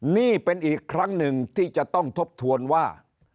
นี่เป็นอีกครั้งหนึ่งที่จะต้องทบทวนว่า